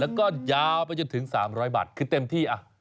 แล้วก็ยาวไปจนถึงสามร้อยบาทคือเต็มที่อ่ะ